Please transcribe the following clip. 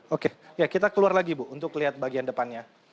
oke ya kita keluar lagi bu untuk lihat bagian depannya